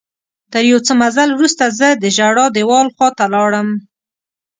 تر یو څه مزل وروسته زه د ژړا دیوال خواته لاړم.